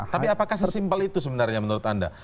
tapi apakah sesimpel itu sebenarnya menurut anda